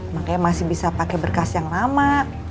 makanya masih bisa pakai berkas yang lama